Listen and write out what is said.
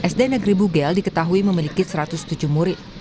sd negeri bugel diketahui memiliki satu ratus tujuh murid